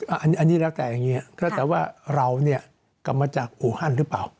อันนี้แล้วแต่อย่างนี้ก็แต่ว่าเราเนี่ยกลับมาจากอูฮันหรือเปล่า